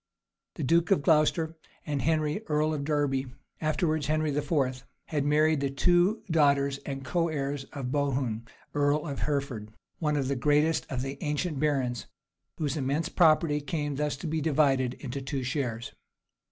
The duke of Glocester, and Henry, earl of Derby, afterwards Henry IV. had married the two daughters and coheirs of Bohun, earl of Hereford, one of the greatest of the ancient barons, whose immense property came thus to be divided into two shares.